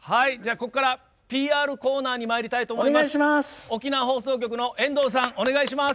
ここからＰＲコーナーにまいりたいと思います。